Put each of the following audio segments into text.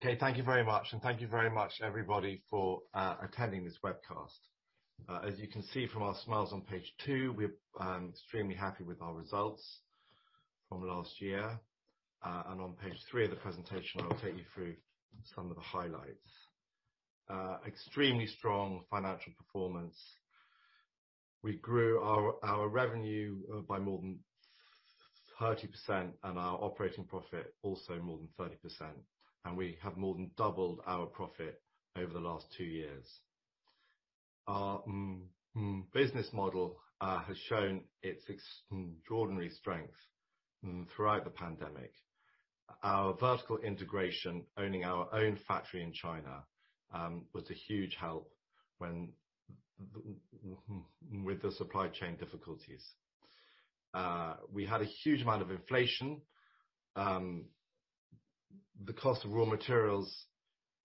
Okay, thank you very much, and thank you very much everybody for attending this webcast. As you can see from our smiles on page two, we're extremely happy with our results from last year. On page three of the presentation, I'll take you through some of the highlights. Extremely strong financial performance. We grew our revenue by more than 30% and our operating profit also more than 30%, and we have more than doubled our profit over the last two years. Our business model has shown its extraordinary strength throughout the pandemic. Our vertical integration, owning our own factory in China, was a huge help with the supply chain difficulties. We had a huge amount of inflation. The cost of raw materials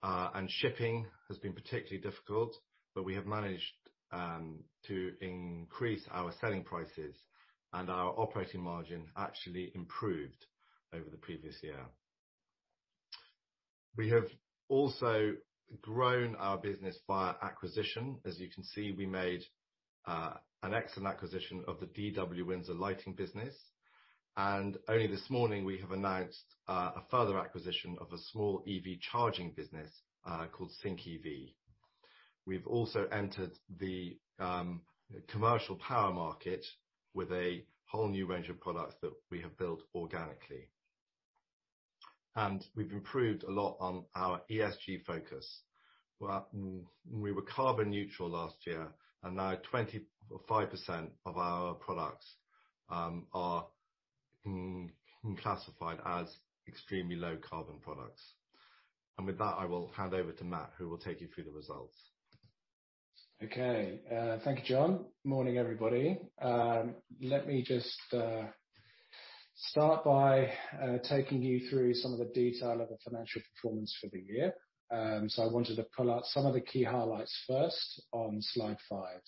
and shipping has been particularly difficult, but we have managed to increase our selling prices and our operating margin actually improved over the previous year. We have also grown our business via acquisition. As you can see, we made an excellent acquisition of the DW Windsor lighting business, and only this morning, we have announced a further acquisition of a small EV charging business called Sync EV. We've also entered the commercial power market with a whole new range of products that we have built organically. We've improved a lot on our ESG focus. Well, we were carbon neutral last year, and now 25% of our products are classified as extremely low carbon products. With that, I will hand over to Matt, who will take you through the results. Okay. Thank you, John. Morning, everybody. Let me just start by taking you through some of the detail of the financial performance for the year. I wanted to pull out some of the key highlights first on slide five.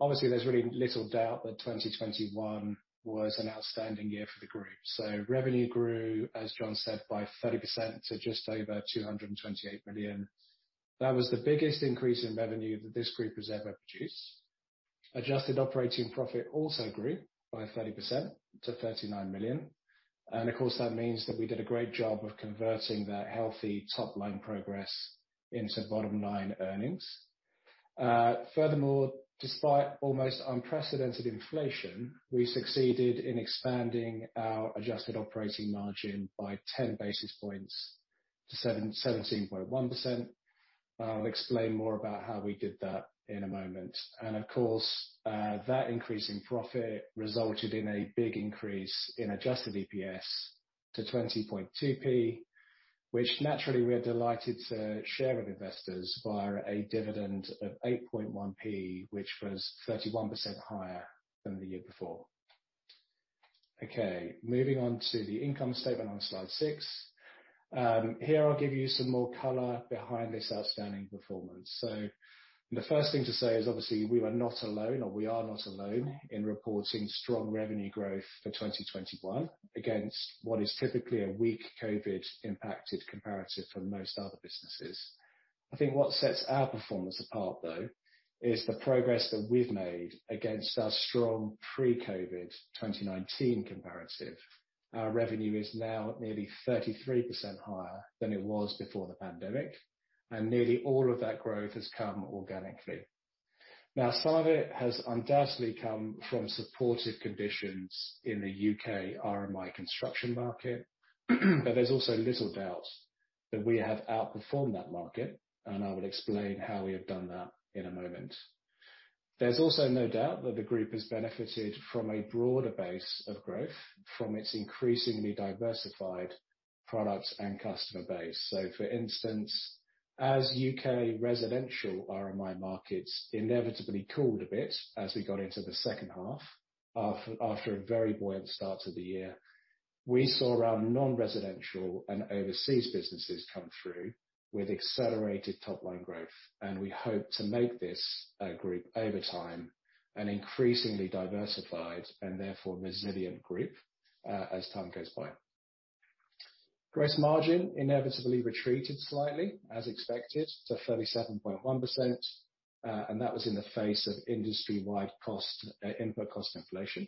Obviously there's really little doubt that 2021 was an outstanding year for the group. Revenue grew, as John said, by 30% to just over 228 million. That was the biggest increase in revenue that this group has ever produced. Adjusted operating profit also grew by 30% to 39 million. Of course, that means that we did a great job of converting that healthy top-line progress into bottom line earnings. Furthermore, despite almost unprecedented inflation, we succeeded in expanding our adjusted operating margin by 10 basis points to 7.1%. I'll explain more about how we did that in a moment. Of course, that increase in profit resulted in a big increase in adjusted EPS to 20.2p. Which naturally we're delighted to share with investors via a dividend of 8.1p, which was 31% higher than the year before. Okay, moving on to the income statement on slide six. Here I'll give you some more color behind this outstanding performance. The first thing to say is obviously we were not alone, or we are not alone in reporting strong revenue growth for 2021, against what is typically a weak COVID impacted comparative for most other businesses. I think what sets our performance apart, though, is the progress that we've made against our strong pre-COVID 2019 comparative. Our revenue is now nearly 33% higher than it was before the pandemic, and nearly all of that growth has come organically. Now, some of it has undoubtedly come from supportive conditions in the U.K. RMI construction market, but there's also little doubt that we have outperformed that market, and I will explain how we have done that in a moment. There's also no doubt that the group has benefited from a broader base of growth from its increasingly diversified product and customer base. So for instance, as U.K. residential RMI markets inevitably cooled a bit as we got into the second half, after a very buoyant start to the year, we saw our non-residential and overseas businesses come through with accelerated top-line growth. We hope to make this a group over time, an increasingly diversified and therefore resilient group, as time goes by. Gross margin inevitably retreated slightly as expected to 37.1%, and that was in the face of industry-wide cost input cost inflation.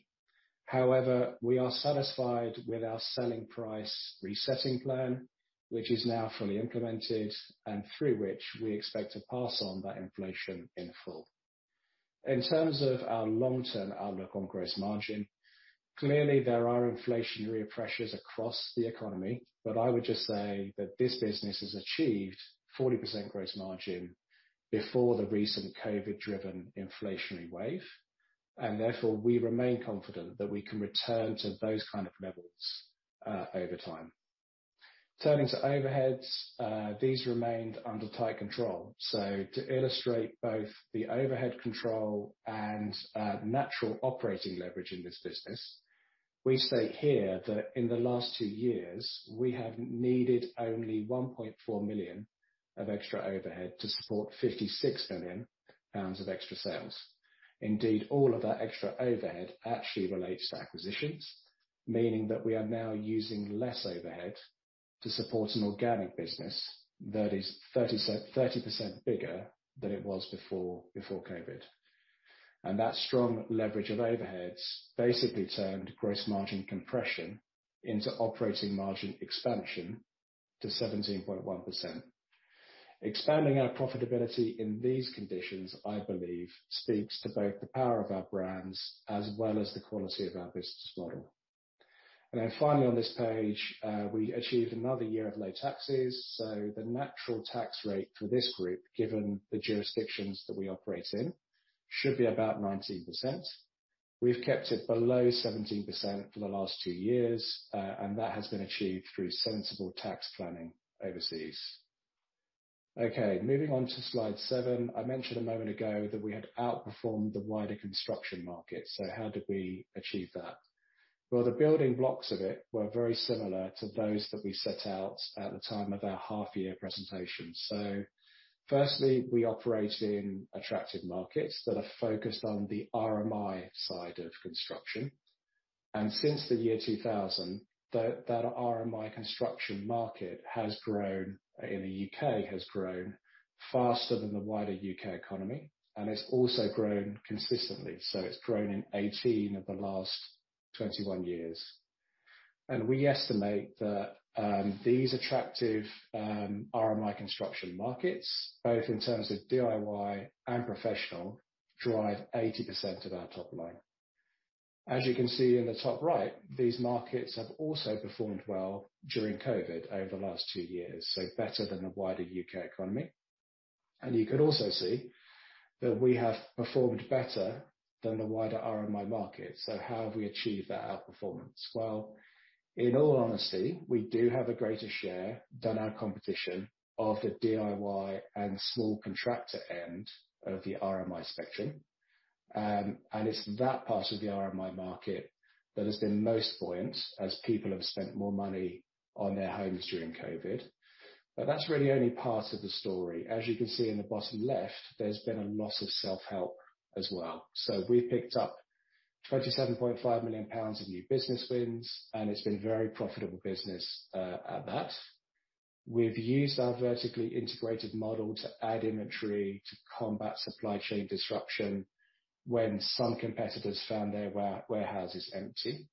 However, we are satisfied with our selling price resetting plan, which is now fully implemented and through which we expect to pass on that inflation in full. In terms of our long-term outlook on gross margin, clearly there are inflationary pressures across the economy, but I would just say that this business has achieved 40% gross margin before the recent COVID-driven inflationary wave, and therefore we remain confident that we can return to those kind of levels over time. Turning to overheads, these remained under tight control. To illustrate both the overhead control and natural operating leverage in this business, we state here that in the last two years, we have needed only 1.4 million of extra overhead to support 56 million pounds of extra sales. Indeed, all of our extra overhead actually relates to acquisitions, meaning that we are now using less overhead to support an organic business that is 30% bigger than it was before COVID. That strong leverage of overheads basically turned gross margin compression into operating margin expansion to 17.1%. Expanding our profitability in these conditions, I believe, speaks to both the power of our brands as well as the quality of our business model. Finally, on this page, we achieved another year of low taxes. The natural tax rate for this group, given the jurisdictions that we operate in, should be about 19%. We've kept it below 17% for the last two years, and that has been achieved through sensible tax planning overseas. Okay, moving on to slide seven. I mentioned a moment ago that we had outperformed the wider construction market. How did we achieve that? Well, the building blocks of it were very similar to those that we set out at the time of our half year presentation. Firstly, we operate in attractive markets that are focused on the RMI side of construction. Since the year 2000, that RMI construction market has grown in the U.K. faster than the wider U.K. economy, and it's also grown consistently. It's grown in 18 of the last 21 years. We estimate that these attractive RMI construction markets, both in terms of DIY and professional, drive 80% of our top line. As you can see in the top right, these markets have also performed well during COVID over the last two years, so better than the wider U.K. economy. You can also see that we have performed better than the wider RMI market. How have we achieved that outperformance? Well, in all honesty, we do have a greater share than our competition of the DIY and small contractor end of the RMI spectrum. It's that part of the RMI market that has been most buoyant as people have spent more money on their homes during COVID. That's really only part of the story. As you can see in the bottom left, there's been a lot of self-help as well. We picked up 27.5 million pounds of new business wins, and it's been very profitable business, at that. We've used our vertically integrated model to add inventory to combat supply chain disruption when some competitors found their warehouses empty.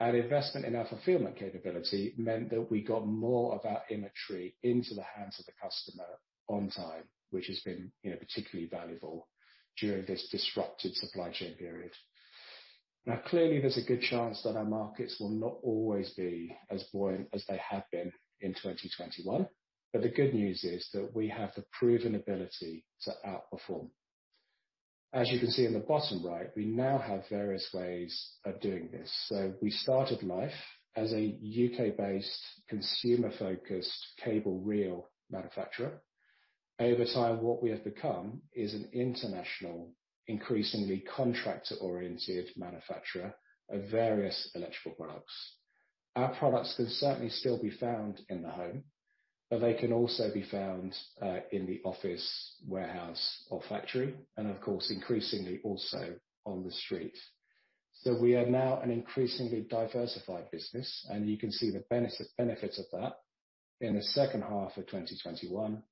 Investment in our fulfillment capability meant that we got more of our inventory into the hands of the customer on time, which has been, you know, particularly valuable during this disrupted supply chain period. Now, clearly, there's a good chance that our markets will not always be as buoyant as they have been in 2021, but the good news is that we have the proven ability to outperform. As you can see in the bottom right, we now have various ways of doing this. We started life as a U.K.-based, consumer-focused cable reel manufacturer. Over time, what we have become is an international, increasingly contractor-oriented manufacturer of various electrical products. Our products can certainly still be found in the home, but they can also be found in the office, warehouse or factory, and of course, increasingly also on the street. We are now an increasingly diversified business, and you can see the benefits of that in the second half of 2021,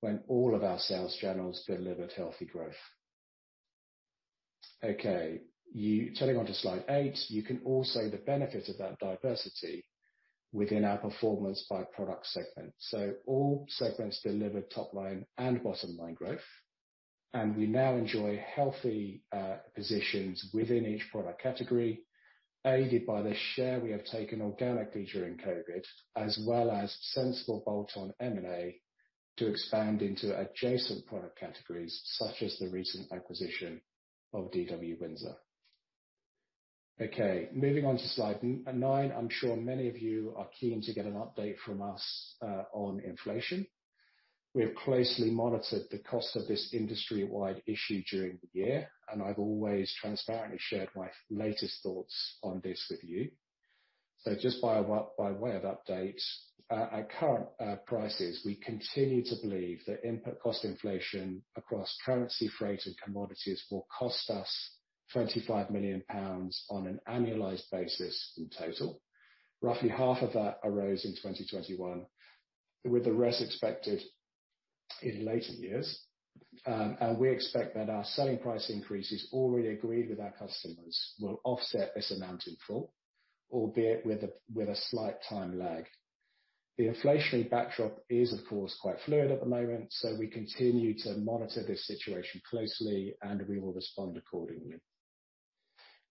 when all of our sales channels delivered healthy growth. Okay, turning to slide eight, you can all see the benefit of that diversity within our performance by product segment. All segments delivered top line and bottom line growth, and we now enjoy healthy positions within each product category, aided by the share we have taken organically during COVID, as well as sensible bolt-on M&A to expand into adjacent product categories such as the recent acquisition of DW Windsor. Okay, moving on to slide nine. I'm sure many of you are keen to get an update from us on inflation. We have closely monitored the cost of this industry-wide issue during the year, and I've always transparently shared my latest thoughts on this with you. Just by way of update, at current prices, we continue to believe that input cost inflation across currency, freight, and commodities will cost us 25 million pounds on an annualized basis in total. Roughly half of that arose in 2021, with the rest expected in later years. We expect that our selling price increases already agreed with our customers will offset this amount in full, albeit with a slight time lag. The inflationary backdrop is, of course, quite fluid at the moment, so we continue to monitor this situation closely, and we will respond accordingly.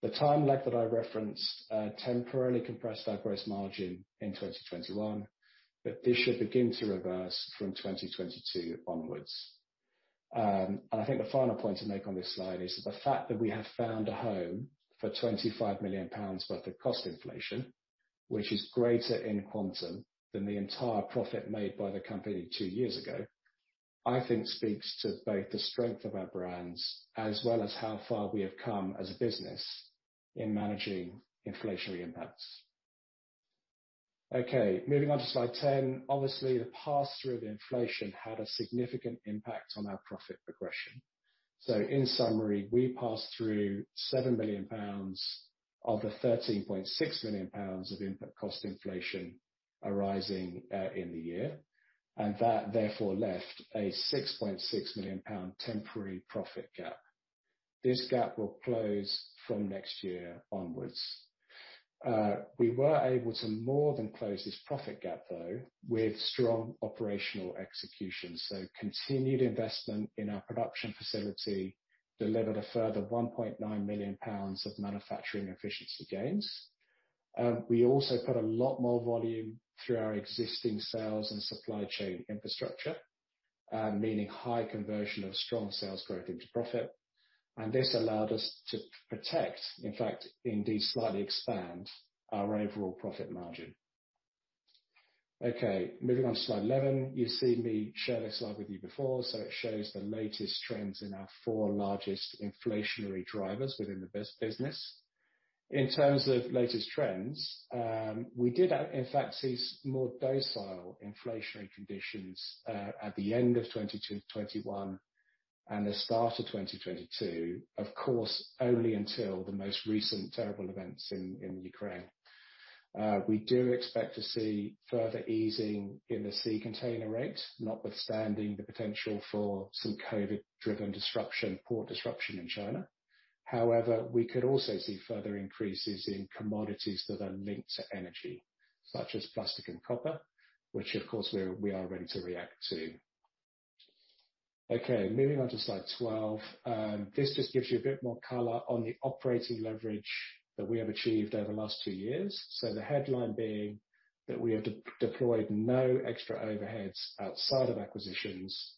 The time lag that I referenced temporarily compressed our gross margin in 2021, but this should begin to reverse from 2022 onwards. I think the final point to make on this slide is the fact that we have found a home for 25 million pounds worth of cost inflation, which is greater in quantum than the entire profit made by the company two years ago. I think speaks to both the strength of our brands as well as how far we have come as a business in managing inflationary impacts. Okay, moving on to slide 10. Obviously, the pass-through of inflation had a significant impact on our profit progression. In summary, we passed through 7 million pounds of the 13.6 million pounds of input cost inflation arising in the year, and that therefore left a 6.6 million pound temporary profit gap. This gap will close from next year onwards. We were able to more than close this profit gap, though, with strong operational execution. Continued investment in our production facility delivered a further 1.9 million pounds of manufacturing efficiency gains. We also put a lot more volume through our existing sales and supply chain infrastructure, meaning high conversion of strong sales growth into profit. This allowed us to protect, in fact, indeed slightly expand our overall profit margin. Okay, moving on to slide 11. You've seen me share this slide with you before, so it shows the latest trends in our four largest inflationary drivers within the business. In terms of latest trends, we did, in fact, see more docile inflationary conditions at the end of 2021 and the start of 2022, of course, only until the most recent terrible events in Ukraine. We do expect to see further easing in the sea container rates, notwithstanding the potential for some COVID-driven disruption, port disruption in China. However, we could also see further increases in commodities that are linked to energy, such as plastic and copper, which of course we are ready to react to. Okay, moving on to slide 12. This just gives you a bit more color on the operating leverage that we have achieved over the last two years. The headline being that we have deployed no extra overheads outside of acquisitions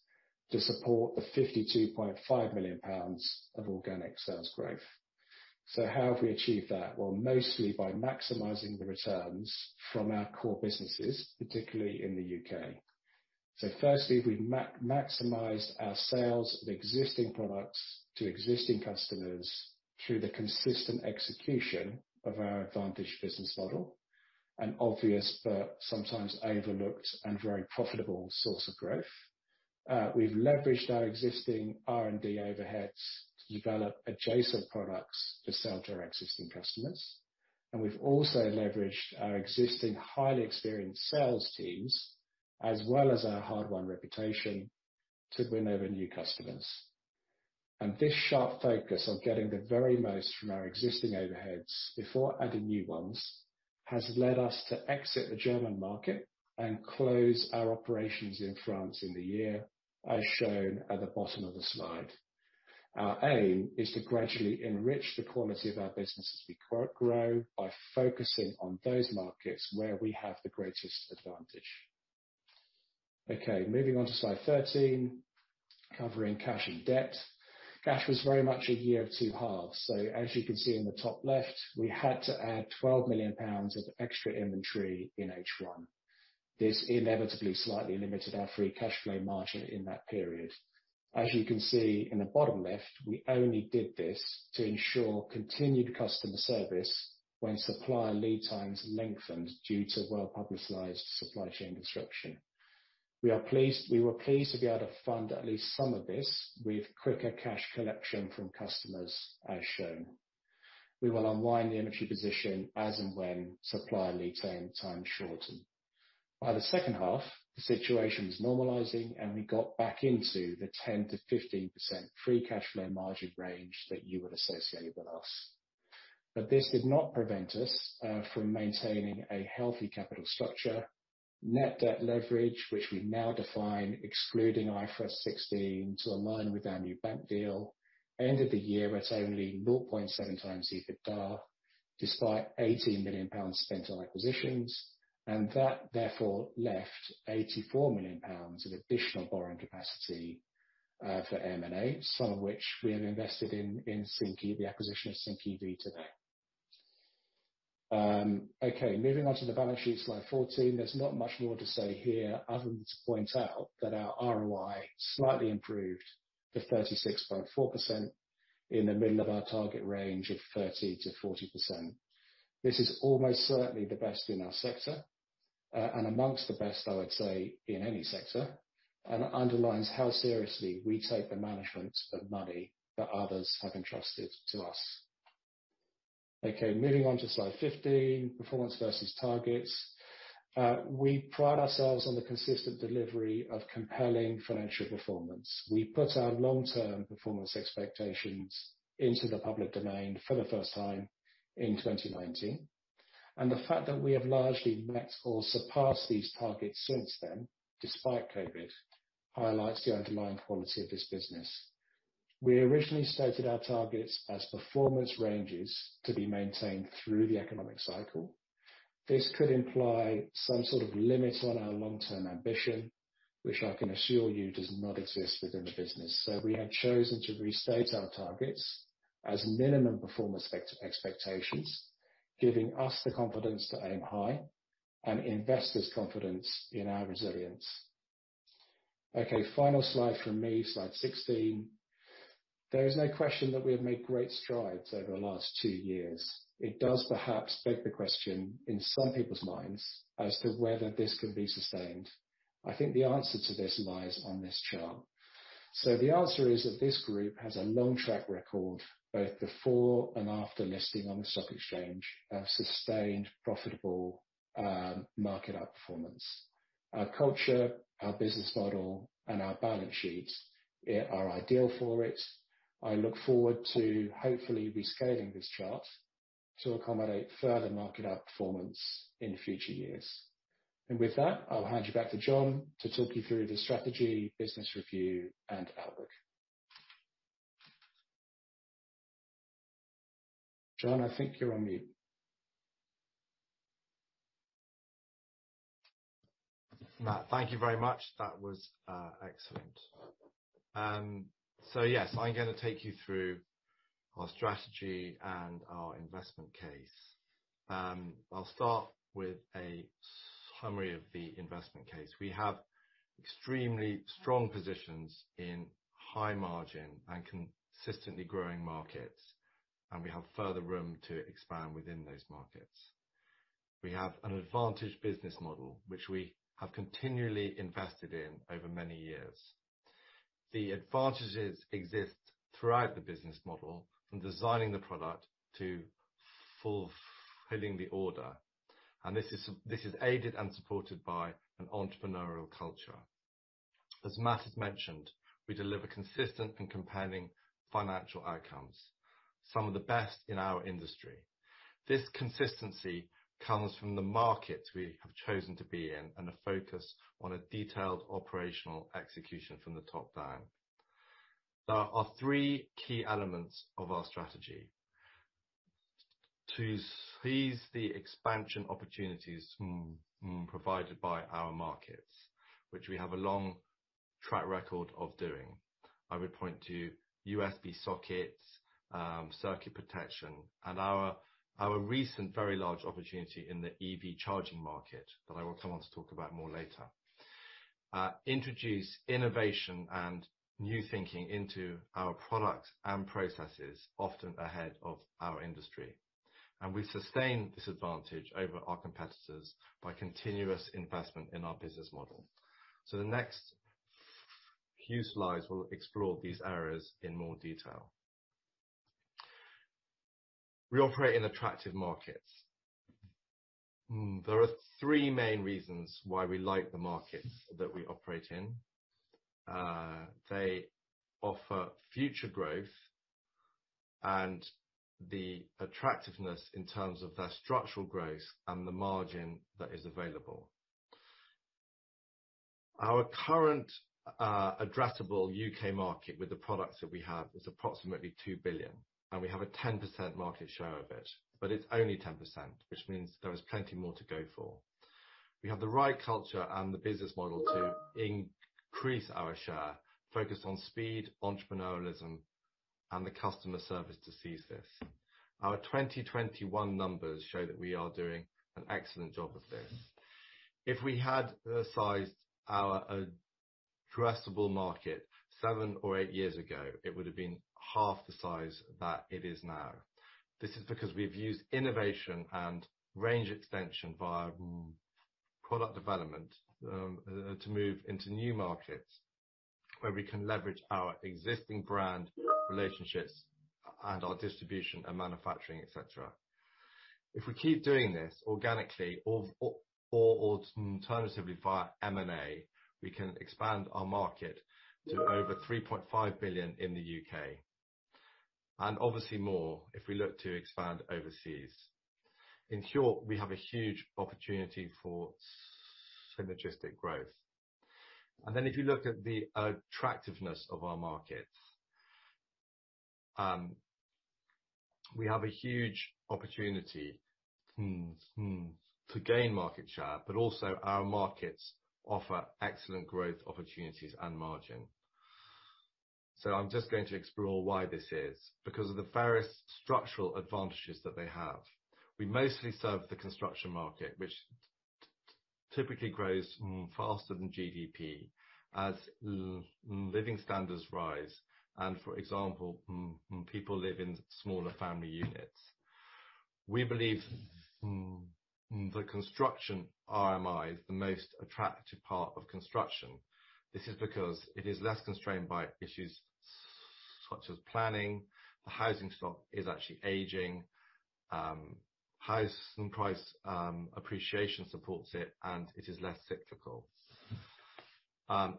to support the 52.5 million pounds of organic sales growth. How have we achieved that? Well, mostly by maximizing the returns from our core businesses, particularly in the U.K.. Firstly, we maximized our sales of existing products to existing customers through the consistent execution of our advantage business model, an obvious but sometimes overlooked and very profitable source of growth. We've leveraged our existing R&D overheads to develop adjacent products to sell to our existing customers, and we've also leveraged our existing highly experienced sales teams, as well as our hard-won reputation to win over new customers. This sharp focus on getting the very most from our existing overheads before adding new ones, has led us to exit the German market and close our operations in France in the year, as shown at the bottom of the slide. Our aim is to gradually enrich the quality of our business as we grow by focusing on those markets where we have the greatest advantage. Okay, moving on to slide 13, covering cash and debt. Cash was very much a year of two halves. As you can see in the top left, we had to add 12 million pounds of extra inventory in H1. This inevitably slightly limited our free cash flow margin in that period. As you can see in the bottom left, we only did this to ensure continued customer service when supplier lead times lengthened due to well-publicized supply chain disruption. We were pleased to be able to fund at least some of this with quicker cash collection from customers, as shown. We will unwind the inventory position as and when supplier lead times shorten. By the second half, the situation was normalizing, and we got back into the 10%-15% free cash flow margin range that you would associate with us. This did not prevent us from maintaining a healthy capital structure. Net debt leverage, which we now define excluding IFRS 16 to align with our new bank deal, ended the year at only 0.7x EBITDA, despite 80 million pounds spent on acquisitions. That therefore left 84 million pounds of additional borrowing capacity for M&A, some of which we have invested in the acquisition of Sync EV today. Okay, moving on to the balance sheet, slide 14. There's not much more to say here other than to point out that our ROI slightly improved to 36.4% in the middle of our target range of 30%-40%. This is almost certainly the best in our sector, and among the best, I would say, in any sector, and underlines how seriously we take the management of money that others have entrusted to us. Okay, moving on to slide 15, performance versus targets. We pride ourselves on the consistent delivery of compelling financial performance. We put our long-term performance expectations into the public domain for the first time in 2019, and the fact that we have largely met or surpassed these targets since then, despite COVID, highlights the underlying quality of this business. We originally stated our targets as performance ranges to be maintained through the economic cycle. This could imply some sort of limit on our long-term ambition, which I can assure you does not exist within the business. We have chosen to restate our targets as minimum performance expectations, giving us the confidence to aim high and investors confidence in our resilience. Okay, final slide for me, slide 16. There is no question that we have made great strides over the last two years. It does perhaps beg the question in some people's minds as to whether this could be sustained. I think the answer to this lies on this chart. The answer is that this group has a long track record, both before and after listing on the stock exchange, of sustained, profitable, market outperformance. Our culture, our business model and our balance sheets are ideal for it. I look forward to hopefully rescaling this chart to accommodate further market outperformance in future years. With that, I'll hand you back to John to talk you through the strategy, business review and outlook. John, I think you're on mute. Matt, thank you very much. That was excellent. Yes, I'm gonna take you through our strategy and our investment case. I'll start with a summary of the investment case. We have extremely strong positions in high margin and consistently growing markets, and we have further room to expand within those markets. We have an advantaged business model, which we have continually invested in over many years. The advantages exist throughout the business model, from designing the product to fulfilling the order, and this is aided and supported by an entrepreneurial culture. As Matt has mentioned, we deliver consistent and compelling financial outcomes, some of the best in our industry. This consistency comes from the markets we have chosen to be in, and a focus on a detailed operational execution from the top down. There are three key elements of our strategy: To seize the expansion opportunities provided by our markets, which we have a long track record of doing. I would point to USB sockets, circuit protection and our recent very large opportunity in the EV charging market that I will come on to talk about more later. Introduce innovation and new thinking into our products and processes, often ahead of our industry. We sustain this advantage over our competitors by continuous investment in our business model. The next few slides will explore these areas in more detail. We operate in attractive markets. There are three main reasons why we like the markets that we operate in. They offer future growth and the attractiveness in terms of their structural growth and the margin that is available. Our current addressable U.K. market with the products that we have is approximately 2 billion, and we have a 10% market share of it, but it's only 10%, which means there is plenty more to go for. We have the right culture and the business model to increase our share, focused on speed, entrepreneurialism and the customer service to seize this. Our 2021 numbers show that we are doing an excellent job of this. If we had sized our addressable market seven or eight years ago, it would have been half the size that it is now. This is because we've used innovation and range extension via product development to move into new markets where we can leverage our existing brand relationships and our distribution and manufacturing, et cetera. If we keep doing this organically or alternatively via M&A, we can expand our market to over 3.5 billion in the U.K., and obviously more if we look to expand overseas. In short, we have a huge opportunity for synergistic growth. If you look at the attractiveness of our markets, we have a huge opportunity to gain market share, but also our markets offer excellent growth opportunities and margin. I'm just going to explore why this is because of the various structural advantages that they have. We mostly serve the construction market, which typically grows faster than GDP as living standards rise and for example, people live in smaller family units. We believe the construction RMI is the most attractive part of construction. This is because it is less constrained by issues such as planning. The housing stock is actually aging. House price appreciation supports it, and it is less cyclical.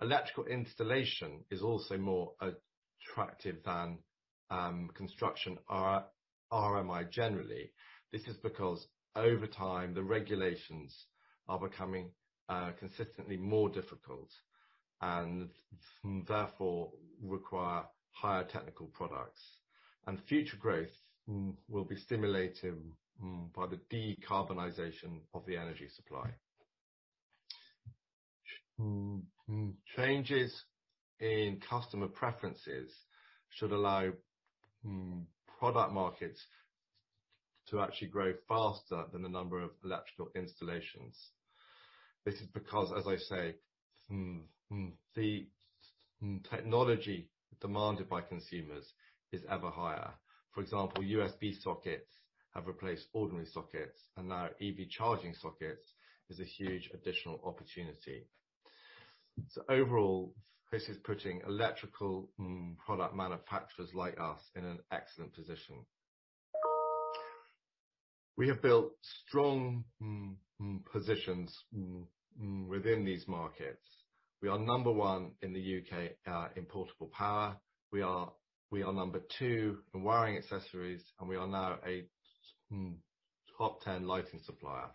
Electrical installation is also more attractive than construction RMI generally. This is because over time, the regulations are becoming consistently more difficult and therefore require higher technical products. Future growth will be stimulated by the decarbonization of the energy supply. Changes in customer preferences should allow product markets to actually grow faster than the number of electrical installations. This is because, as I say, the technology demanded by consumers is ever higher. For example, USB sockets have replaced ordinary sockets, and now EV charging sockets is a huge additional opportunity. Overall, this is putting electrical product manufacturers like us in an excellent position. We have built strong positions within these markets. We are number one in the U.K. in portable power. We are number two in wiring accessories, and we are now a top 10 lighting supplier.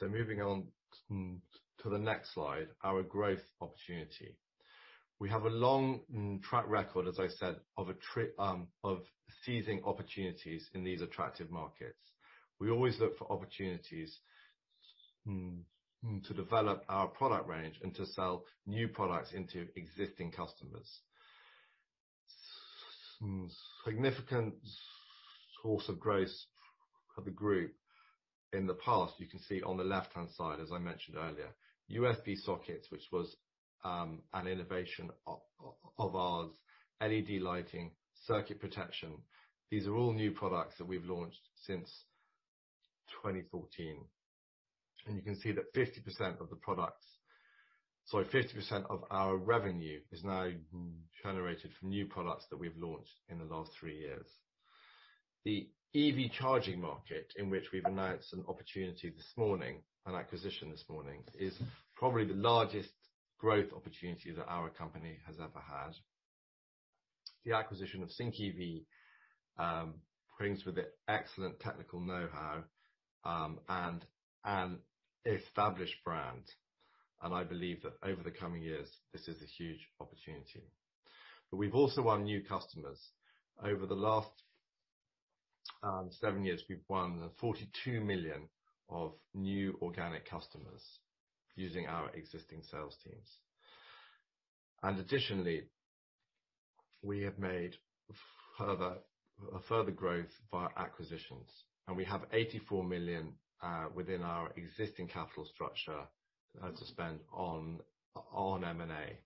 Moving on to the next slide, our growth opportunity. We have a long track record, as I said, of seizing opportunities in these attractive markets. We always look for opportunities to develop our product range and to sell new products into existing customers. Significant source of growth for the group in the past, you can see on the left-hand side, as I mentioned earlier, USB sockets, which was an innovation of ours, LED lighting, circuit protection. These are all new products that we've launched since 2014. You can see that 50% of our revenue is now generated from new products that we've launched in the last three years. The EV charging market, in which we've announced an opportunity this morning, an acquisition this morning, is probably the largest growth opportunity that our company has ever had. The acquisition of Sync EV brings with it excellent technical know-how and an established brand. I believe that over the coming years, this is a huge opportunity. We've also won new customers. Over the last seven years, we've won 42 million of new organic customers using our existing sales teams. Additionally, we have made further growth via acquisitions, and we have 84 million within our existing capital structure to spend on M&A.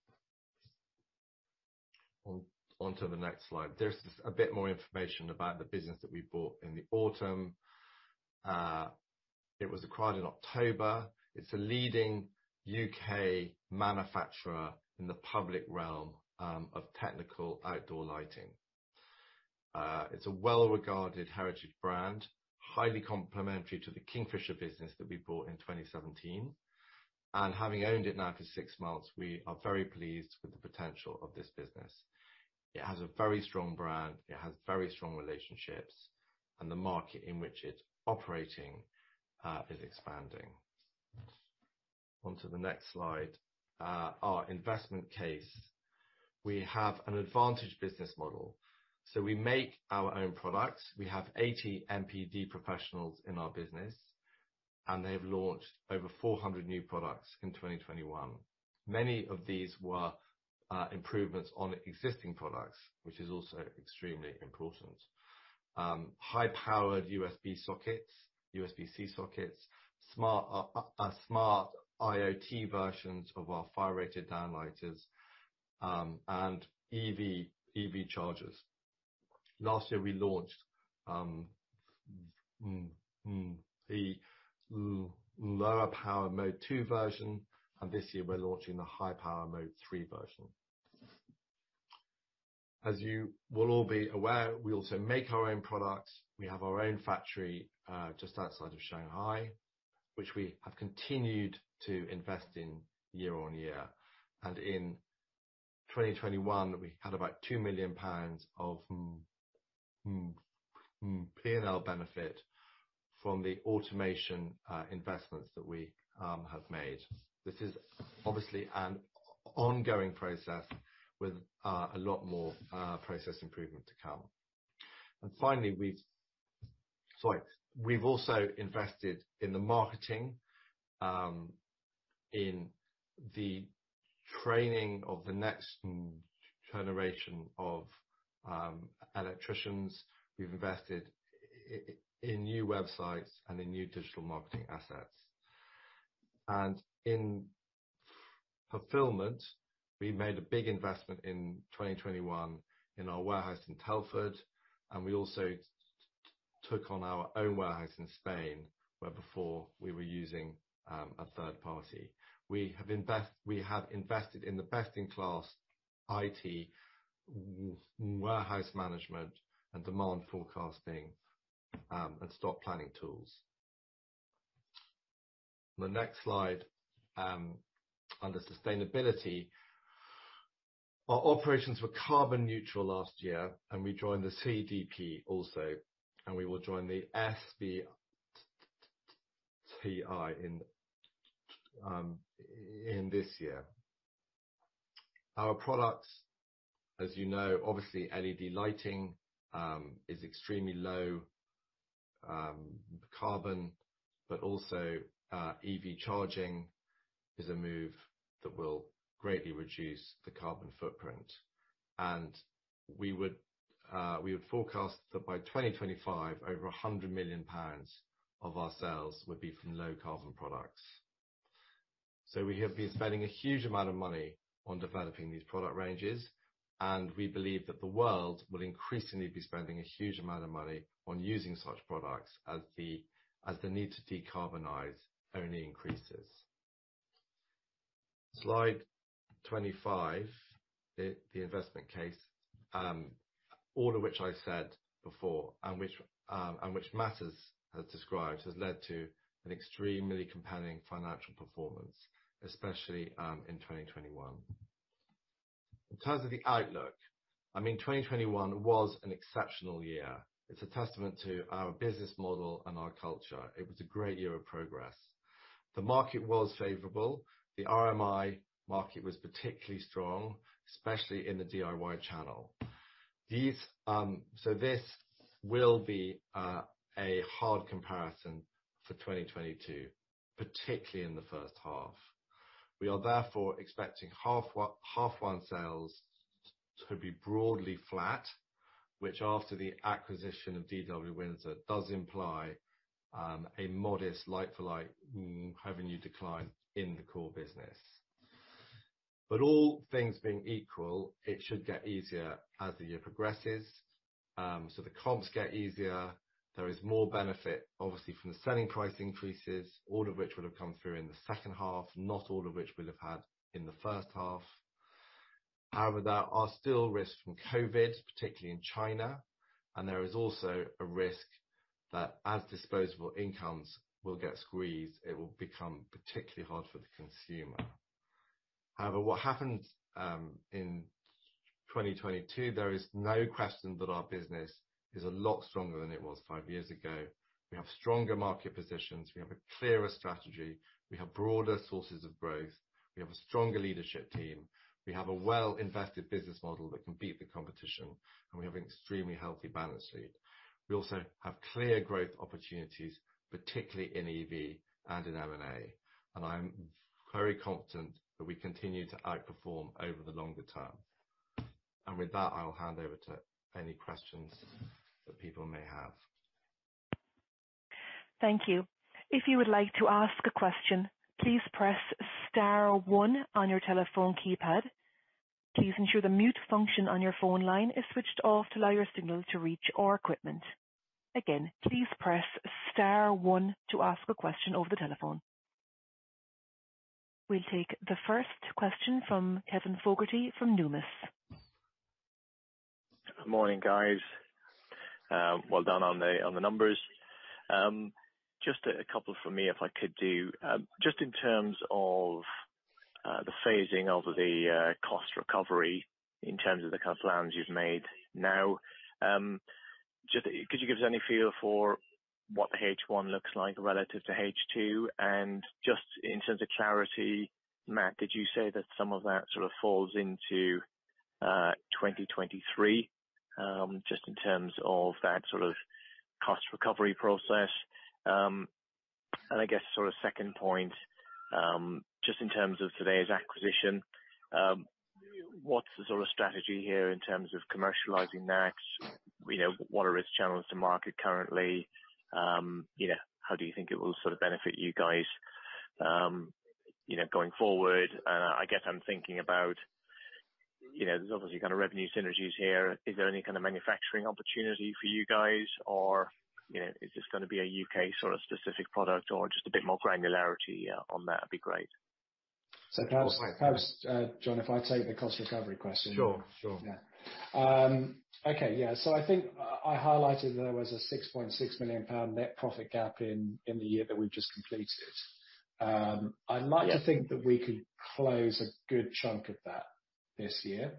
Onto the next slide. There's a bit more information about the business that we bought in the autumn. It was acquired in October. It's a leading U.K. manufacturer in the public realm of technical outdoor lighting. It's a well-regarded heritage brand, highly complementary to the Kingfisher business that we bought in 2017. Having owned it now for six months, we are very pleased with the potential of this business. It has a very strong brand, it has very strong relationships, and the market in which it's operating is expanding. Onto the next slide. Our investment case. We have an advantaged business model, so we make our own products. We have 80 NPD professionals in our business, and they've launched over 400 new products in 2021. Many of these were improvements on existing products, which is also extremely important. High-powered USB sockets, USB-C sockets, smart IoT versions of our fire-rated downlights, and EV chargers. Last year, we launched the lower power Mode 2 version, and this year we're launching the high power Mode 3 version. As you will all be aware, we also make our own products. We have our own factory just outside of Shanghai, which we have continued to invest in year-on-year. In 2021, we had about GBP 2 million of P&L benefit from the automation investments that we have made. This is obviously an ongoing process with a lot more process improvement to come. Finally, we've also invested in the marketing in the training of the next generation of electricians. We've invested in new websites and in new digital marketing assets. In fulfillment, we made a big investment in 2021 in our warehouse in Telford, and we also took on our own warehouse in Spain, where before we were using a third party. We have invested in the best-in-class IT warehouse management and demand forecasting, and stock planning tools. The next slide under sustainability. Our operations were carbon neutral last year, and we joined the CDP also, and we will join the SBTi in this year. Our products, as you know, obviously LED lighting is extremely low carbon, but also EV charging is a move that will greatly reduce the carbon footprint. We would forecast that by 2025, over 100 million pounds of our sales would be from low carbon products. We have been spending a huge amount of money on developing these product ranges, and we believe that the world will increasingly be spending a huge amount of money on using such products as the need to decarbonize only increases. Slide 25, the investment case, all of which I said before, and which matters as described, has led to an extremely compelling financial performance, especially in 2021. In terms of the outlook, I mean, 2021 was an exceptional year. It's a testament to our business model and our culture. It was a great year of progress. The market was favorable. The RMI market was particularly strong, especially in the DIY channel. This will be a hard comparison for 2022, particularly in the first half. We are therefore expecting half one sales to be broadly flat, which after the acquisition of DW Windsor does imply a modest like-for-like revenue decline in the core business. All things being equal, it should get easier as the year progresses. The comps get easier. There is more benefit, obviously, from the selling price increases, all of which would have come through in the second half, not all of which we'll have had in the first half. However, there are still risks from COVID, particularly in China, and there is also a risk that as disposable incomes will get squeezed, it will become particularly hard for the consumer. However, what happened in 2022, there is no question that our business is a lot stronger than it was five years ago. We have stronger market positions. We have a clearer strategy. We have broader sources of growth. We have a stronger leadership team. We have a well-invested business model that can beat the competition, and we have an extremely healthy balance sheet. We also have clear growth opportunities, particularly in EV and in M&A, and I'm very confident that we continue to outperform over the longer term. With that, I will hand over to any questions that people may have. Thank you. If you would like to ask a question, please press star one on your telephone keypad. Please ensure the mute function on your phone line is switched off to allow your signal to reach our equipment. Again, please press star one to ask a question over the telephone. We'll take the first question from Kevin Fogarty from Numis. Morning, guys. Well done on the numbers. Just a couple from me if I could. Just in terms of the phasing of the cost recovery in terms of the cost cuts you've made now, just could you give us any feel for what the H1 looks like relative to H2? Just in terms of clarity, Matt, did you say that some of that sort of falls into 2023, just in terms of that sort of cost recovery process? I guess sort of second point, just in terms of today's acquisition, what's the sort of strategy here in terms of commercializing that? You know, what are its channels to market currently? You know, how do you think it will sort of benefit you guys, you know, going forward? I guess I'm thinking about, you know, there's obviously kind of revenue synergies here. Is there any kind of manufacturing opportunity for you guys or, you know, is this gonna be a U.K. sort of specific product or just a bit more granularity on that'd be great. Perhaps. All right. Perhaps, John, if I take the cost recovery question. Sure. Sure. I think I highlighted there was a 6.6 million pound net profit gap in the year that we've just completed. I'd like to think that we could close a good chunk of that this year.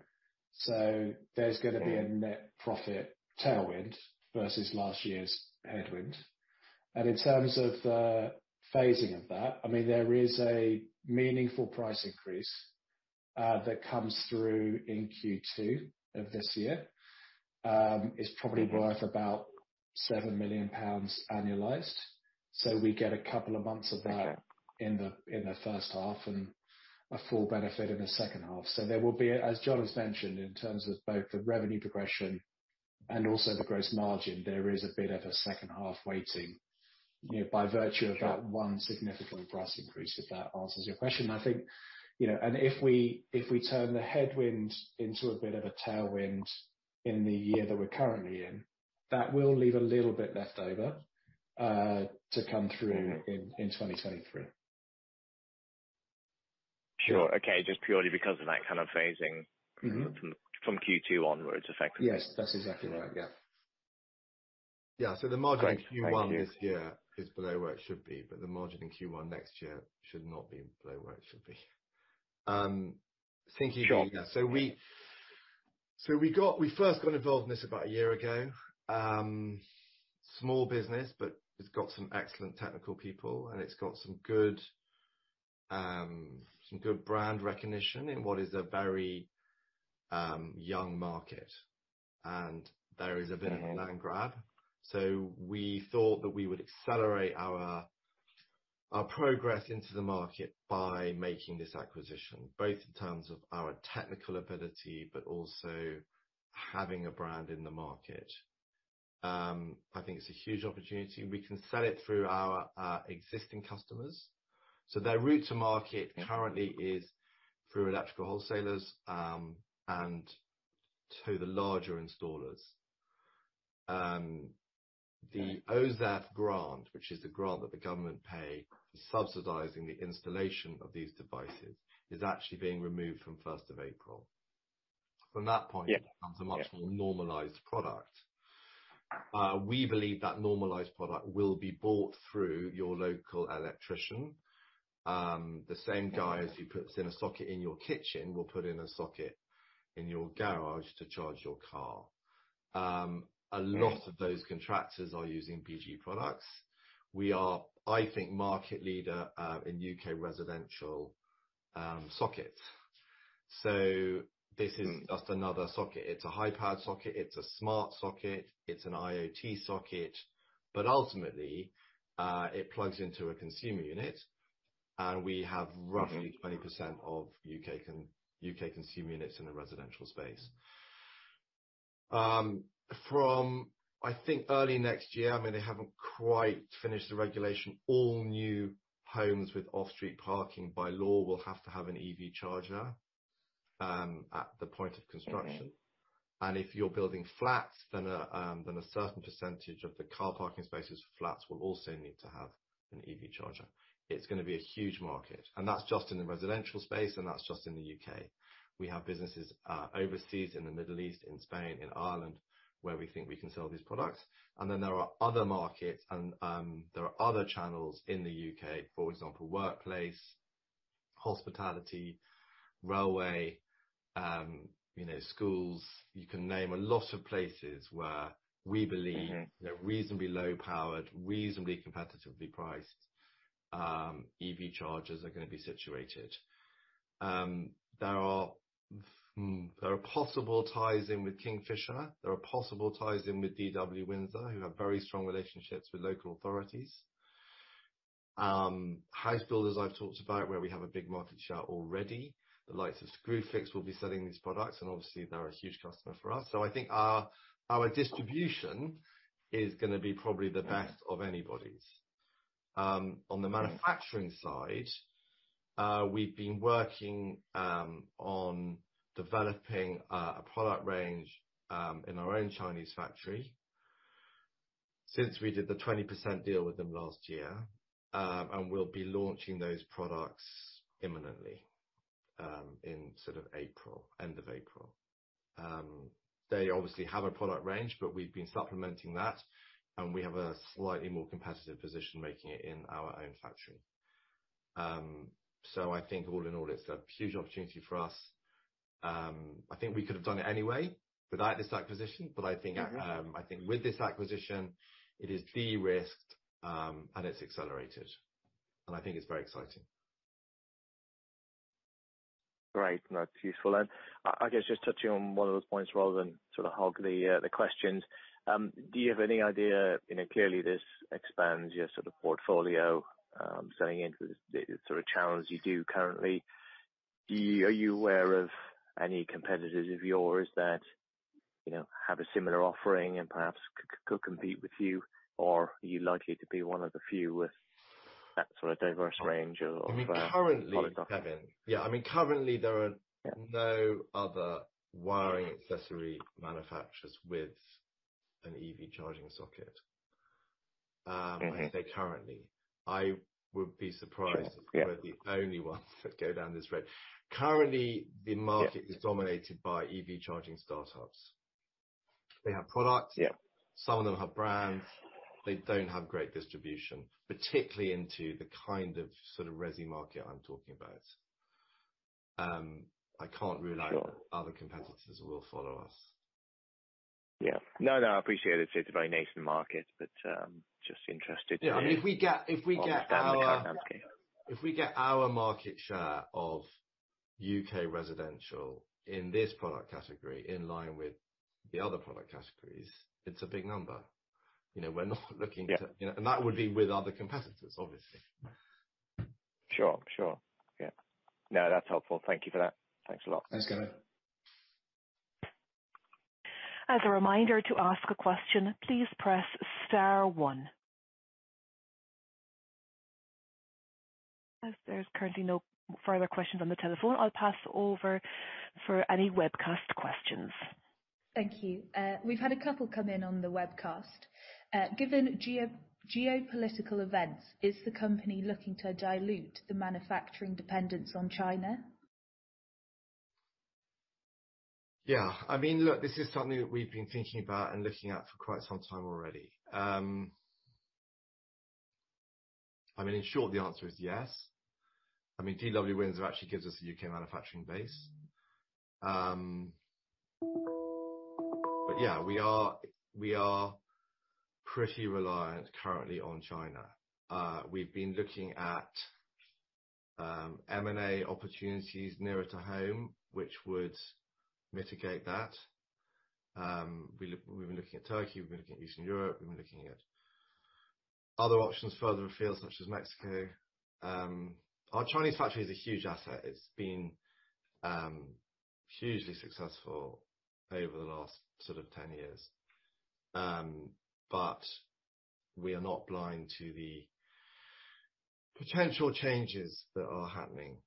There's gonna be a net profit tailwind versus last year's headwind. In terms of phasing of that, I mean, there is a meaningful price increase that comes through in Q2 of this year. It's probably worth about 7 million pounds annualized. We get a couple of months of that. Okay. In the first half and a full benefit in the second half. There will be a. As John has mentioned, in terms of both the revenue progression and also the gross margin, there is a bit of a second half weighting, you know, by virtue of that one significant price increase, if that answers your question. I think, you know. If we turn the headwind into a bit of a tailwind in the year that we're currently in, that will leave a little bit left over to come through in 2023. Sure. Okay. Just purely because of that kind of phasing. Mm-hmm. From Q2 onwards, effectively. Yes, that's exactly right. Yeah. Yeah. The margin. Great. Thank you. In Q1 this year is below where it should be, but the margin in Q1 next year should not be below where it should be. Sure. Yeah, we first got involved in this about a year ago. Small business, but it's got some excellent technical people, and it's got some good Some good brand recognition in what is a very young market. There is a bit of a land grab. We thought that we would accelerate our progress into the market by making this acquisition, both in terms of our technical ability, but also having a brand in the market. I think it's a huge opportunity. We can sell it through our existing customers. Their route to market currently is through electrical wholesalers and to the larger installers. The OZEV grant, which is the grant that the government pay for subsidizing the installation of these devices, is actually being removed from first of April. From that point- Yeah. It becomes a much more normalized product. We believe that normalized product will be bought through your local electrician. The same guys who puts in a socket in your kitchen will put in a socket in your garage to charge your car. Yeah. A lot of those contractors are using BG products. We are, I think, market leader in U.K. residential sockets. This isn't just another socket. It's a high-powered socket. It's a smart socket. It's an IoT socket. Ultimately, it plugs into a consumer unit, and we have roughly 20% of U.K. consumer units in a residential space. From, I think, early next year, I mean, they haven't quite finished the regulation. All new homes with off-street parking, by law, will have to have an EV charger at the point of construction. Mm-hmm. If you're building flats, then a certain percentage of the car parking spaces for flats will also need to have an EV charger. It's gonna be a huge market, and that's just in the residential space, and that's just in the U.K.. We have businesses overseas, in the Middle East, in Spain, in Ireland, where we think we can sell these products. Then there are other markets and there are other channels in the U.K., for example, workplace, hospitality, railway, you know, schools. You can name a lot of places where we believe Mm-hmm. They're reasonably low-powered, reasonably competitively priced, EV chargers are gonna be situated. There are possible ties in with Kingfisher. There are possible ties in with DW Windsor, who have very strong relationships with local authorities. House builders I've talked about, where we have a big market share already. The likes of Screwfix will be selling these products, and obviously they're a huge customer for us. I think our distribution is gonna be probably the best of anybody's. On the manufacturing side, we've been working on developing a product range in our own Chinese factory since we did the 20% deal with them last year. We'll be launching those products imminently in sort of April, end of April. They obviously have a product range, but we've been supplementing that, and we have a slightly more competitive position making it in our own factory. I think all in all, it's a huge opportunity for us. I think we could have done it anyway without this acquisition, but I think with this acquisition it is de-risked, and it's accelerated, and I think it's very exciting. Great. That's useful. I guess just touching on one of those points rather than sort of hog the questions. Do you have any idea, you know, clearly this expands your sort of portfolio, selling into the sort of channels you do currently. Are you aware of any competitors of yours that, you know, have a similar offering and perhaps could compete with you? Or are you likely to be one of the few with that sort of diverse range of products? I mean, currently, Kevin. There are no other wiring accessory manufacturers with an EV charging socket. I say currently. Mm-hmm. I would be surprised. Yeah. If we're the only ones that go down this road. Currently, the market is dominated by EV charging startups. They have products. Yeah. Some of them have brands. They don't have great distribution, particularly into the kind of sort of resi market I'm talking about. I can't rule out- Sure. that other competitors will follow us. Yeah. No, no, I appreciate it. It's a very nascent market, but just interested to. Yeah. I mean, if we get our- Understand the kind of- If we get our market share of U.K. residential in this product category in line with the other product categories, it's a big number. You know, we're not looking to. Yeah. That would be with other competitors, obviously. Sure, sure. Yeah. No, that's helpful. Thank you for that. Thanks a lot. Thanks, Kevin. As a reminder, to ask a question, please press star one. As there's currently no further questions on the telephone, I'll pass over for any webcast questions. Thank you. We've had a couple come in on the webcast. Given geopolitical events, is the company looking to dilute the manufacturing dependence on China? Yeah. I mean, look, this is something that we've been thinking about and looking at for quite some time already. I mean, in short, the answer is yes. I mean, DW Windsor actually gives us a U.K. manufacturing base. Yeah, we are pretty reliant currently on China. We've been looking at M&A opportunities nearer to home, which would mitigate that. We've been looking at Turkey, we've been looking at Eastern Europe, we've been looking at other options further afield, such as Mexico. Our Chinese factory is a huge asset. It's been hugely successful over the last sort of 10 years. We are not blind to the potential changes that are happening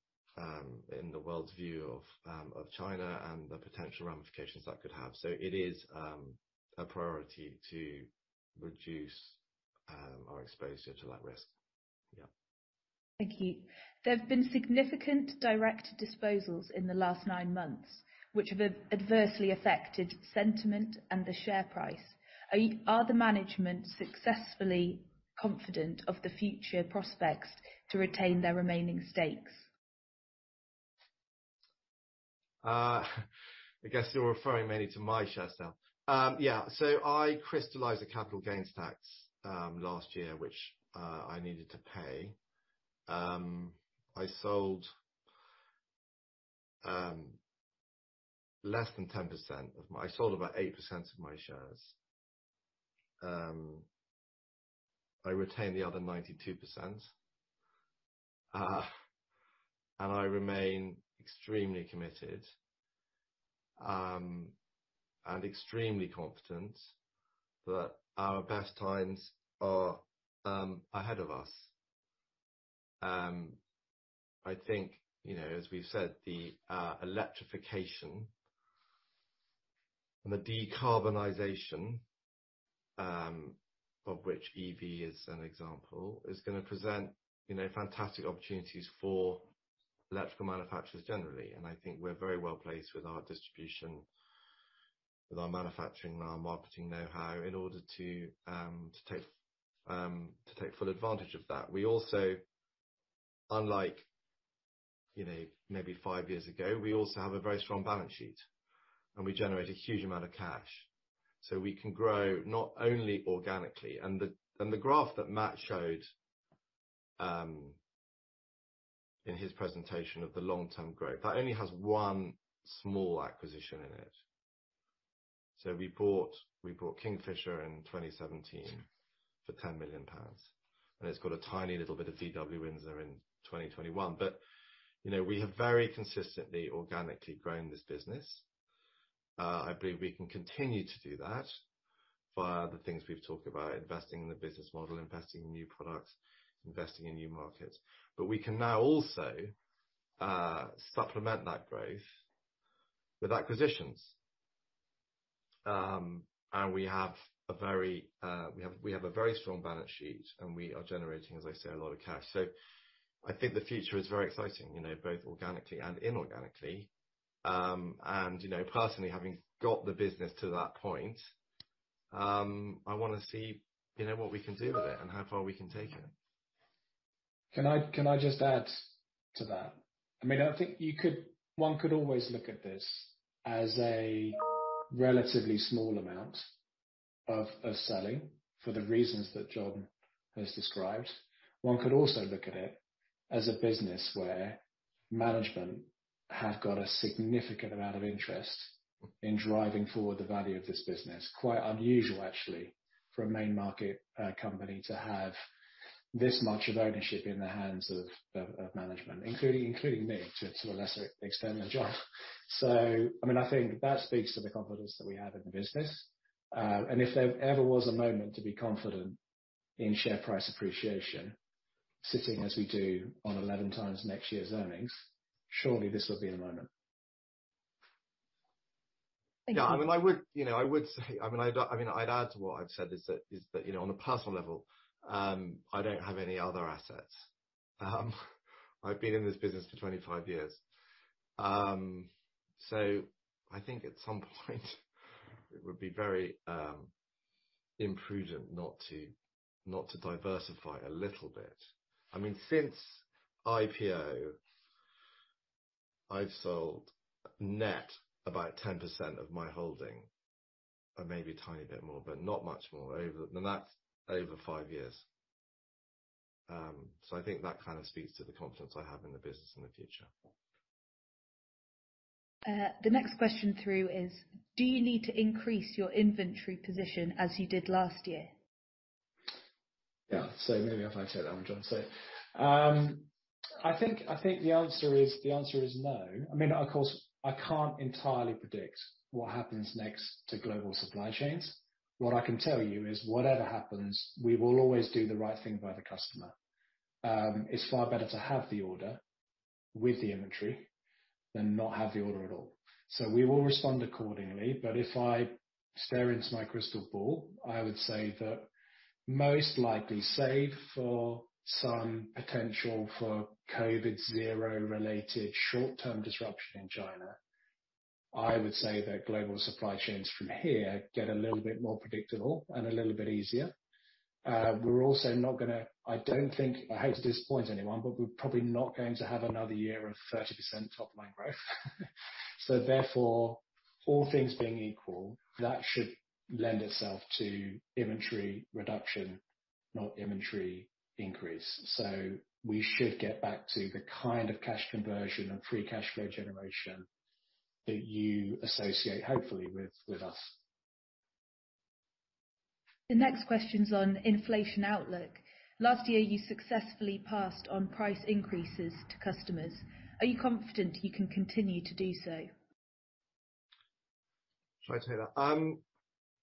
in the world's view of China and the potential ramifications that could have. It is a priority to reduce our exposure to that risk. Yeah. Thank you. There have been significant direct disposals in the last nine months, which have adversely affected sentiment and the share price. Are the management sufficiently confident of the future prospects to retain their remaining stakes? I guess you're referring mainly to my shares now. Yeah. So I crystallized the capital gains tax last year, which I needed to pay. I sold about 8% of my shares. I retained the other 92%. I remain extremely committed and extremely confident that our best times are ahead of us. I think, you know, as we've said, the electrification and the decarbonization, of which EV is an example, is gonna present, you know, fantastic opportunities for electrical manufacturers generally. I think we're very well-placed with our distribution, with our manufacturing and our marketing know-how in order to to take full advantage of that. We also, unlike, you know, maybe five years ago, we also have a very strong balance sheet, and we generate a huge amount of cash, so we can grow not only organically. The graph that Matt showed in his presentation of the long-term growth only has one small acquisition in it. We bought Kingfisher in 2017 for 10 million pounds, and it's got a tiny little bit of DW Windsor in 2021. You know, we have very consistently organically grown this business. I believe we can continue to do that via the things we've talked about, investing in the business model, investing in new products, investing in new markets. We can now also supplement that growth with acquisitions. We have a very strong balance sheet, and we are generating, as I say, a lot of cash. I think the future is very exciting, you know, both organically and inorganically. You know, personally, having got the business to that point, I wanna see, you know, what we can do with it and how far we can take it. Can I just add to that? I mean, I think one could always look at this as a relatively small amount of selling for the reasons that John has described. One could also look at it as a business where management have got a significant amount of interest in driving forward the value of this business. Quite unusual, actually, for a main market company to have this much of ownership in the hands of management, including me to a lesser extent than John. I mean, I think that speaks to the confidence that we have in the business. If there ever was a moment to be confident in share price appreciation, sitting as we do on 11 times next year's earnings, surely this would be the moment. Thank you. Yeah, I mean, I'd add to what I've said is that, you know, on a personal level, I don't have any other assets. I've been in this business for 25 years. I think at some point it would be very imprudent not to diversify a little bit. I mean, since IPO, I've sold net about 10% of my holding or maybe a tiny bit more, but not much more. That's over five years. I think that kind of speaks to the confidence I have in the business in the future. The next question through is, do you need to increase your inventory position as you did last year? Yeah. Maybe if I take that one, John. I think the answer is no. I mean, of course, I can't entirely predict what happens next to global supply chains. What I can tell you is whatever happens, we will always do the right thing by the customer. It's far better to have the order with the inventory than not have the order at all. We will respond accordingly. If I stare into my crystal ball, I would say that most likely, save for some potential for COVID zero related short-term disruption in China, I would say that global supply chains from here get a little bit more predictable and a little bit easier. We're also not gonna, I don't think, I hate to disappoint anyone, but we're probably not going to have another year of 30% top-line growth. Therefore, all things being equal, that should lend itself to inventory reduction, not inventory increase. We should get back to the kind of cash conversion and free cash flow generation that you associate, hopefully with us. The next question's on inflation outlook. Last year, you successfully passed on price increases to customers. Are you confident you can continue to do so? Should I take that?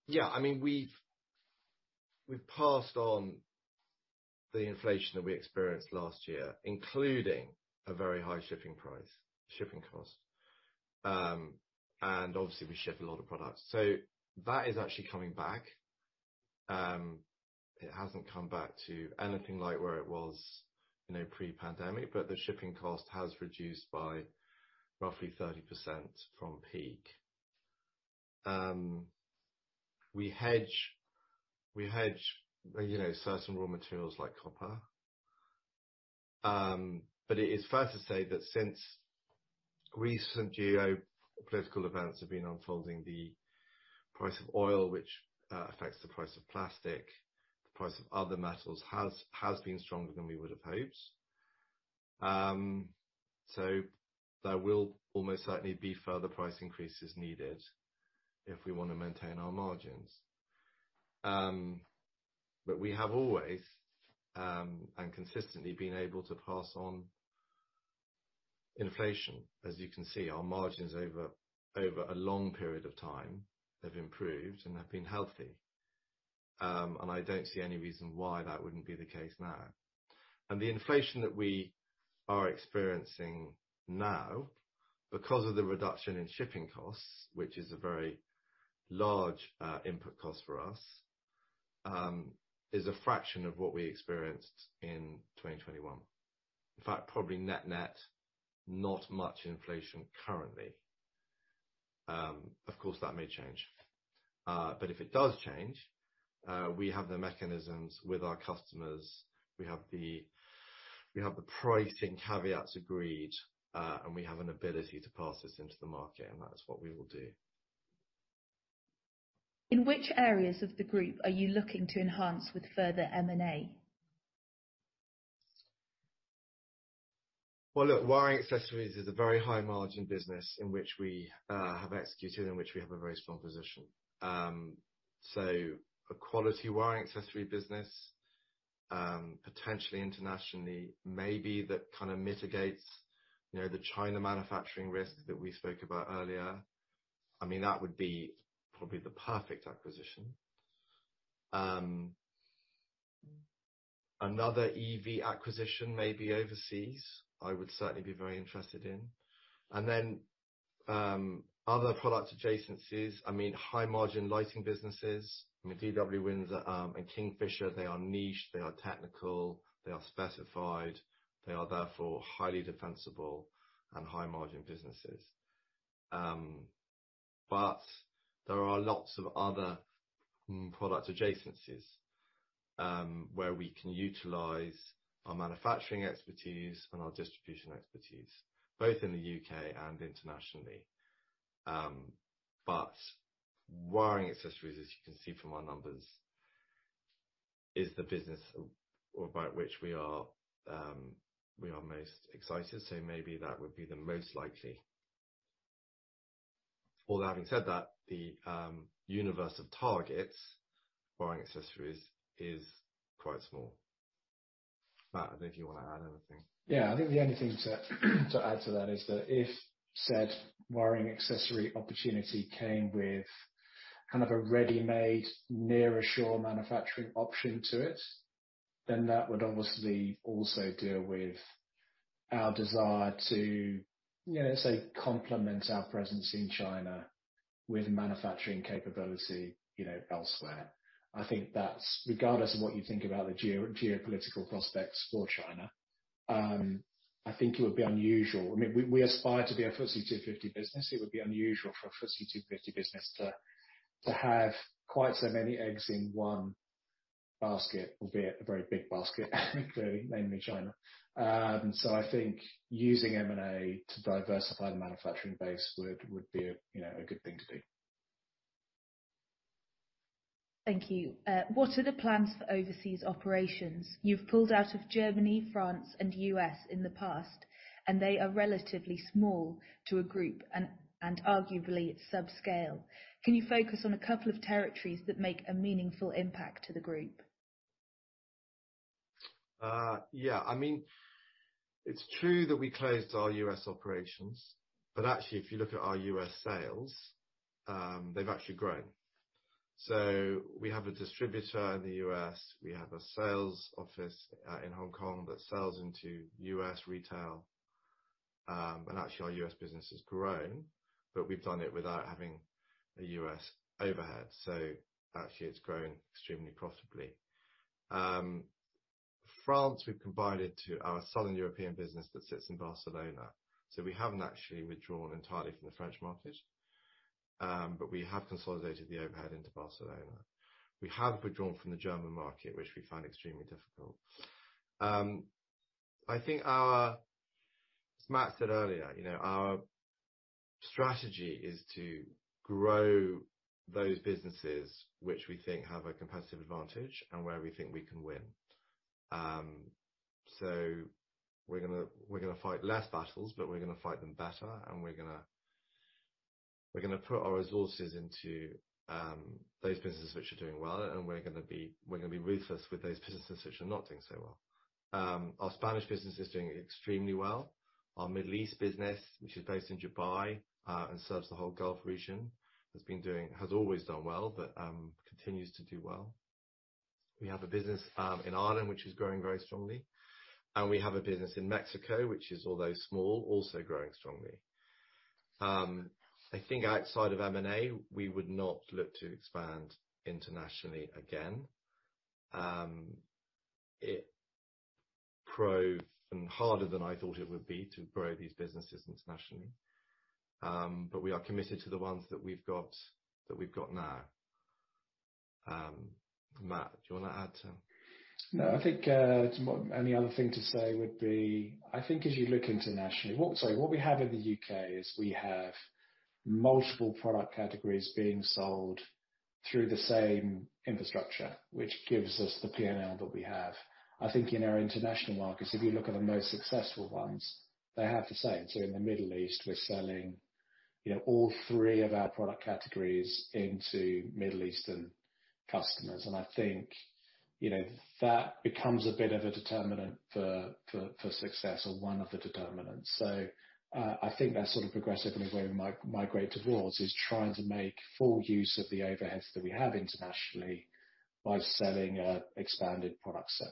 Yeah, I mean, we've passed on the inflation that we experienced last year, including a very high shipping price, shipping cost. Obviously we ship a lot of products. That is actually coming back. It hasn't come back to anything like where it was, you know, pre-pandemic, but the shipping cost has reduced by roughly 30% from peak. We hedge, you know, certain raw materials like copper. But it is fair to say that since recent geopolitical events have been unfolding, the price of oil, which affects the price of plastic, the price of other metals, has been stronger than we would have hoped. There will almost certainly be further price increases needed if we wanna maintain our margins. We have always and consistently been able to pass on inflation. As you can see, our margins over a long period of time have improved and have been healthy. I don't see any reason why that wouldn't be the case now. The inflation that we are experiencing now, because of the reduction in shipping costs, which is a very large input cost for us, is a fraction of what we experienced in 2021. In fact, probably net net, not much inflation currently. Of course, that may change. If it does change, we have the mechanisms with our customers. We have the pricing caveats agreed, and we have an ability to pass this into the market, and that's what we will do. In which areas of the group are you looking to enhance with further M&A? Well, look, wiring accessories is a very high margin business in which we have a very strong position. A quality wiring accessory business, potentially internationally, maybe that kinda mitigates, you know, the China manufacturing risk that we spoke about earlier. I mean, that would be probably the perfect acquisition. Another EV acquisition maybe overseas, I would certainly be very interested in. Other product adjacencies, I mean, high margin lighting businesses. I mean, DW Windsor and Kingfisher, they are niche, they are technical, they are specified. They are therefore highly defensible and high margin businesses. There are lots of other product adjacencies, where we can utilize our manufacturing expertise and our distribution expertise, both in the U.K. and internationally. Wiring accessories, as you can see from our numbers, is the business about which we are most excited, so maybe that would be the most likely. All that having said that, the universe of targets, wiring accessories, is quite small. Matt, I don't know if you wanna add anything. Yeah. I think the only thing to add to that is that if said wiring accessory opportunity came with kind of a ready-made nearshore manufacturing option to it, then that would obviously also deal with our desire to, you know, say complement our presence in China with manufacturing capability, you know, elsewhere. I think that's regardless of what you think about the geopolitical prospects for China. I think it would be unusual. I mean, we aspire to be a FTSE 250 business. It would be unusual for a FTSE 250 business to have quite so many eggs in one basket, albeit a very big basket, including mainly China. So I think using M&A to diversify the manufacturing base would be a good thing to do. Thank you. What are the plans for overseas operations? You've pulled out of Germany, France, and U.S. in the past, and they are relatively small to the group and arguably subscale. Can you focus on a couple of territories that make a meaningful impact to the group? I mean, it's true that we closed our U.S. operations, but actually if you look at our U.S. sales, they've actually grown. We have a distributor in the U.S., we have a sales office in Hong Kong that sells into U.S. retail. Actually our U.S. business has grown, but we've done it without having a U.S. overhead. Actually it's grown extremely profitably. France, we've combined it to our Southern European business that sits in Barcelona. We haven't actually withdrawn entirely from the French market. We have consolidated the overhead into Barcelona. We have withdrawn from the German market, which we found extremely difficult. I think, as Matt said earlier, you know, our strategy is to grow those businesses which we think have a competitive advantage and where we think we can win. We're gonna fight less battles, but we're gonna fight them better, and we're gonna put our resources into those businesses which are doing well, and we're gonna be ruthless with those businesses which are not doing so well. Our Spanish business is doing extremely well. Our Middle East business, which is based in Dubai and serves the whole Gulf region, has always done well, but continues to do well. We have a business in Ireland, which is growing very strongly, and we have a business in Mexico, which is, although small, also growing strongly. I think outside of M&A, we would not look to expand internationally again. It proved harder than I thought it would be to grow these businesses internationally, but we are committed to the ones that we've got now. Matt, do you wanna add to No, I think any other thing to say would be, I think as you look internationally. Sorry. What we have in the U.K. is we have multiple product categories being sold through the same infrastructure, which gives us the P&L that we have. I think in our international markets, if you look at the most successful ones, they have the same. In the Middle East, we're selling, you know, all three of our product categories into Middle Eastern customers. I think, you know, that becomes a bit of a determinant for success or one of the determinants. I think that's sort of progressively where we migrate towards, is trying to make full use of the overheads that we have internationally by selling an expanded product set.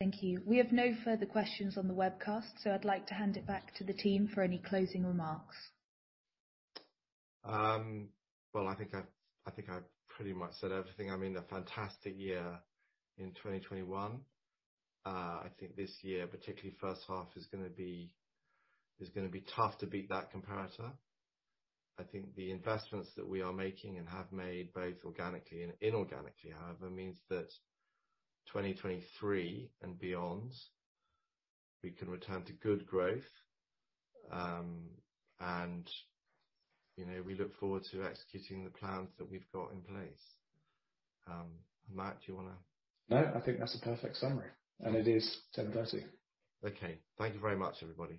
Thank you. We have no further questions on the webcast, so I'd like to hand it back to the team for any closing remarks. Well, I think I pretty much said everything. I mean, a fantastic year in 2021. I think this year, particularly first half, is gonna be tough to beat that comparator. I think the investments that we are making and have made, both organically and inorganically, however, means that 2023 and beyond, we can return to good growth. You know, we look forward to executing the plans that we've got in place. Matt, do you wanna- No, I think that's a perfect summary, and it is 10:30 A.M. Okay. Thank you very much, everybody.